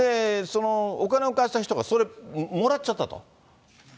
お金を貸した人がそれ、もらっちゃったと。